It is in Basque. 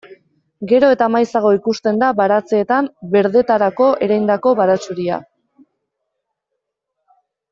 Gero eta maizago ikusten da baratzeetan berdetarako ereindako baratxuria.